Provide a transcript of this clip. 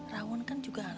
rawun kan juga anaknya